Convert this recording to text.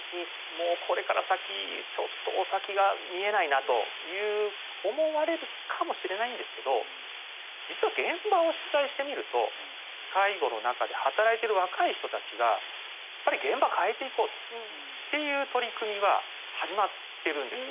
もうこれから先ちょっとお先が見えないなという思われるかもしれないんですけど実は現場を取材してみると介護の中で働いてる若い人たちがやっぱり現場を変えていこうっていう取り組みは始まっているんです。